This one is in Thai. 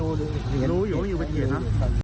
ไม่เร็วเพราะว่ารู้รู้อยู่บัตรเหตุนะ